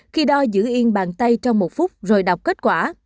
khi đo giữ yên bàn tay trong một phút rồi đọc kết quả